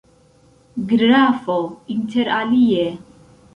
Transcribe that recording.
Grafo, interalie.